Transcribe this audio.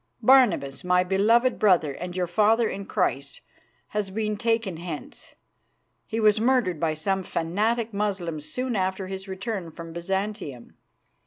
Barnabas, my beloved brother and your father in Christ, has been taken hence. He was murdered by some fanatic Moslems soon after his return from Byzantium.